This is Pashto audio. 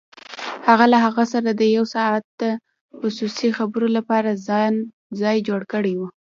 هغه له هغه سره د يو ساعته خصوصي خبرو لپاره ځای جوړ کړی و.